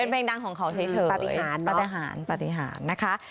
เป็นเพลงดังของเขาเฉยปาติหารนะคะ